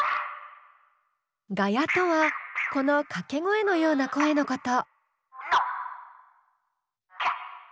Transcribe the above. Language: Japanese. ガヤとはこの掛け声のような声のこと。